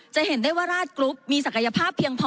จะเห็นได้ว่าราชกรุ๊ปมีศักยภาพเพียงพอ